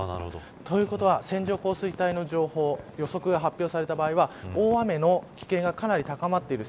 ということは、線状降水帯の予測が発表された場合は大雨の危険がかなり高まっている。